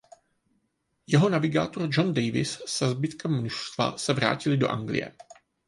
Jeho navigátor John Davis se zbytkem mužstva se vrátili do Anglie.